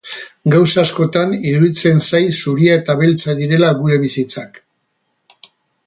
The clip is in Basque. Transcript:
Gauza askotan iruditzen zait zuria eta beltza direla gure bizitzak.